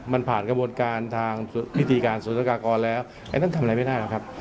มันผ่านกระบวนการทางวิธีการศูนยากากรแล้วอันนั้นทำอะไรไม่ได้หรอกครับ